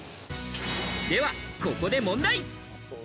では、ここで問題。